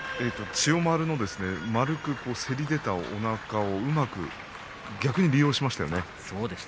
千代丸の丸くせり出たおなかを逆にうまく利用しましたよね。